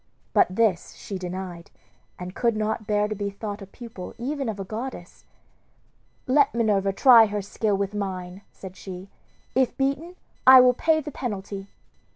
But this she denied, and could not bear to be thought a pupil even of a goddess. "Let Minerva try her skill with mine," said she; "if beaten I will pay the penalty."